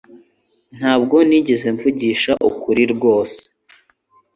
Ntabwo nigeze mvugisha ukuri rwose